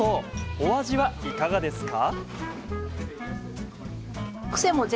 お味はいかがですか？